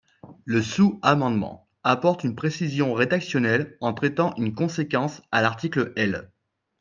Le sous-amendement apporte une précision rédactionnelle en traitant une conséquence à l’article L.